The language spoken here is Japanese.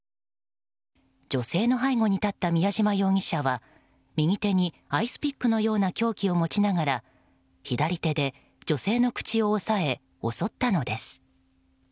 女性の背後に立った宮嶋容疑者は右手にアイスピックのような凶器を持ちながら左手で女性の口を押さえ襲ったのです。